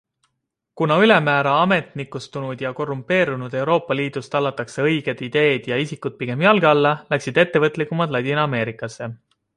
Kuna ülemäära ametnikustunud ja korrumpeerunud Euroopa Liidus tallatakse õiged ideed ja isikud pigem jalge alla, läksid ettevõtlikumad Ladina-Ameerikasse.